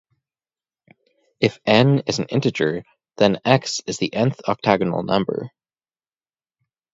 If "n" is an integer, then "x" is the "n"-th octagonal number.